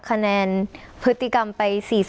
คะแนนพฤติกรรมไป๔๐